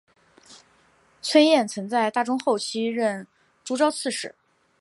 崔彦曾在大中后期任诸州刺史。